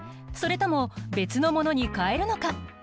それとも別のものに変えるのか。